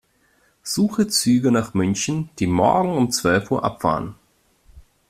Suche Züge nach München, die morgen um zwölf Uhr abfahren.